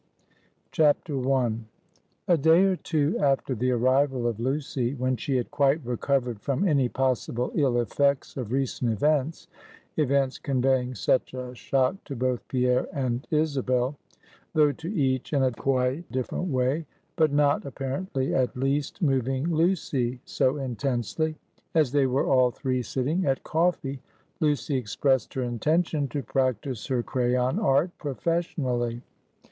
I. A day or two after the arrival of Lucy, when she had quite recovered from any possible ill effects of recent events, events conveying such a shock to both Pierre and Isabel, though to each in a quite different way, but not, apparently, at least, moving Lucy so intensely as they were all three sitting at coffee, Lucy expressed her intention to practice her crayon art professionally.